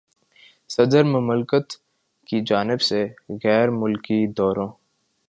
صدر مملکت کی جانب سے غیر ملکی دوروں